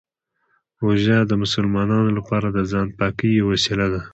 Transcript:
روژه د مسلمانانو لپاره د ځان پاکۍ یوه وسیله ده.